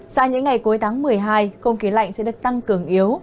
sau những ngày cuối tháng một mươi hai không khí lạnh sẽ được tăng cường yếu